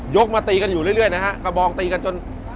มาตีกันอยู่เรื่อยนะฮะกระบองตีกันจน